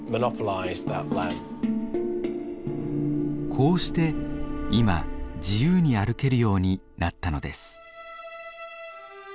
こうして今自由に歩けるようになったのです。